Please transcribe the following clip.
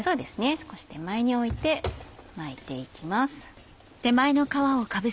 少し手前に置いて巻いていきます。